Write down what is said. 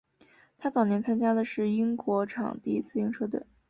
他早年参加的是英国场地自行车队。